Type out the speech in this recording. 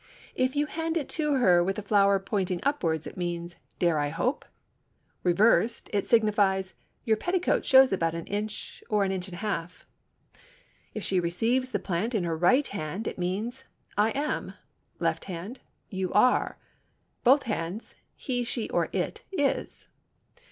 If you hand it to her with the flower pointing upward it means, "Dare I hope?" Reversed, it signifies, "Your petticoat shows about an inch, or an inch and a half." If she receives the plant in her right hand, it means, "I am"; left hand, "You are"; both hands—"He, she or it is."